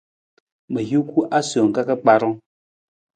Ma juku asowang ka ka kparang.